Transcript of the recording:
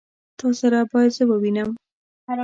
تا سره بايد زه ووينم.